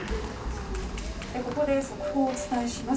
ここで速報をお伝えします。